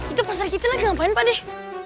itu pasti dari kiti lagi ngapain pak deh